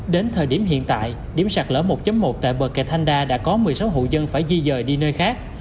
đến thời điểm hiện tại điểm sạt lỡ một một tại bờ kè thanh đa đã có một mươi sáu hộ dân phải di dời đi nơi khác